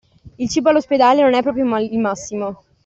Il cibo all'ospedale non è proprio il massimo.